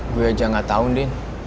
gue aja gak tau din